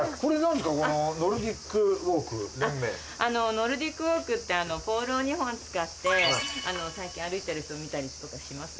ノルディック・ウォークってポールを２本使って最近歩いてる人見たりとかします？